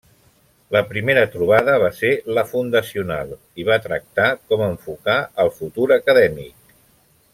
La primera trobada va ser la fundacional i va tractar com enfocar el futur acadèmic.